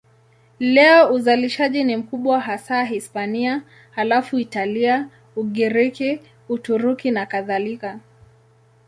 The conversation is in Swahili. Leo uzalishaji ni mkubwa hasa Hispania, halafu Italia, Ugiriki, Uturuki nakadhalika.